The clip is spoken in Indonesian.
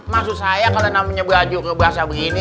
maksud saya kalau namanya baju ke basah begini